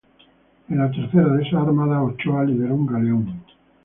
En la tercera de esas armadas, Ochoa lideró un galeón.